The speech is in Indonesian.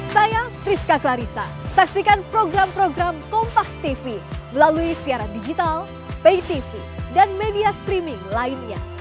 saya priska clarissa saksikan program program kompas tv melalui siaran digital pay tv dan media streaming lainnya